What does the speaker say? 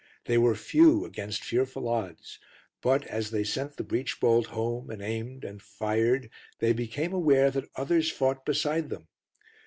They were few against fearful odds, but, as they sent the breech bolt home and aimed and fired, they became aware that others fought beside them.